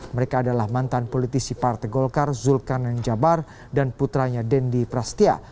mereka adalah mantan politisi partai golkar zulkarnain jabar dan putranya dendi prastia